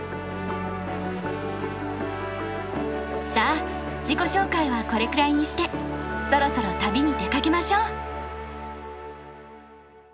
さあ自己紹介はこれくらいにしてそろそろ旅に出かけましょう。